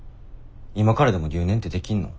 今からでも留年ってできんの？